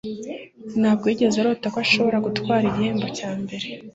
Ntabwo yigeze arota ko ashobora gutwara igihembo cya mbere